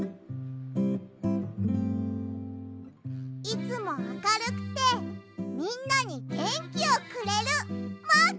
いつもあかるくてみんなにげんきをくれるマーキーさん！